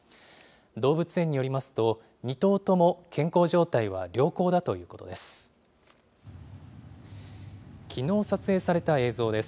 動物園によりますと、２頭とも健康状態は良好だということです。